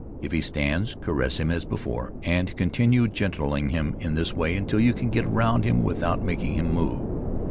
If he stands, caress him as before, and continue gentling him in this way until you can get round him without making him move.